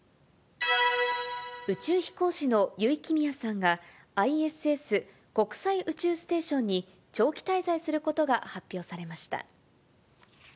宇宙飛行士の油井亀美也さんが、ＩＳＳ・国際宇宙ステーションに長期滞在することが発表されました。